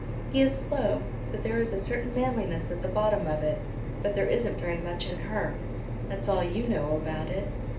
He is slow, but there is a certain manliness at the bottom of it. But there isn't very much in her!" "That's all you know about it."